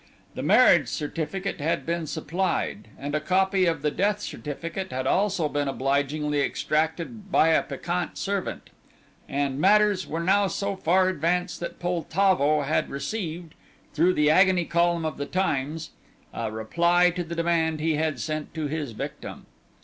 The marriage certificate had been supplied, and a copy of the death certificate had also been obligingly extracted by a peccant servant, and matters were now so far advanced that Poltavo had received, through the Agony column of the Times, a reply to the demand he had sent to his victim.